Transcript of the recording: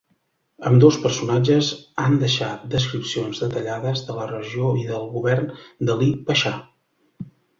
Ambdós personatges han deixat descripcions detallades de la regió i del govern d'Alí Paixà.